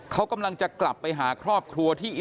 เขากำลังจะกลับไปหาครอบครัวที่